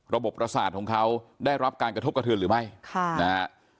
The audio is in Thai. ประสาทของเขาได้รับการกระทบกระเทือนหรือไม่ค่ะนะฮะ